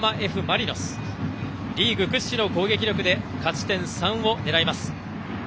リーグ屈指の攻撃力で勝ち点３を狙います。